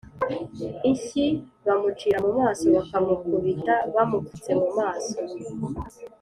inshyi bamucira mu maso bakamukubita bamupfutse mu maso